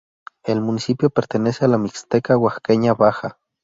El municipio pertenece a la Mixteca oaxaqueña baja.